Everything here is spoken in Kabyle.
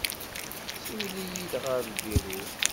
Siwel-iyi-id ɣer lbiru.